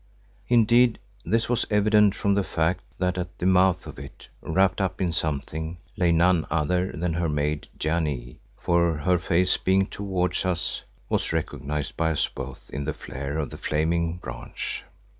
Indeed, this was evident from the fact that at the mouth of it, wrapped up in something, lay none other than her maid, Janee, for her face being towards us, was recognised by us both in the flare of the flaming branch.